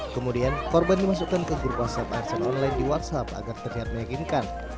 kemudian korban dimasukkan ke grup whatsapp arsel online di whatsapp agar terlihat meyakinkan